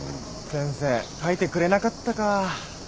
先生書いてくれなかったか。